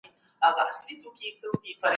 که کورنۍ صبر ولري، ماشوم نه مایوسه کېږي.